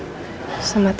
haris sama tanti